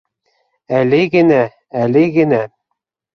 — Әле генә, әле генә.